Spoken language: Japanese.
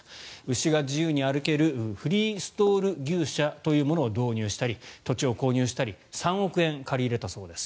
牛が自由に歩けるフリーストール牛舎というものを導入したり土地を購入したり３億円借り入れたそうです。